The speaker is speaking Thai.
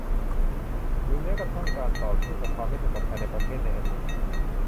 หรือแม้แต่การต่อสู้กับความไม่สงบภายในประเทศในอดีต